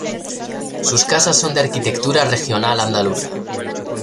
Sus casas son de arquitectura regional andaluza.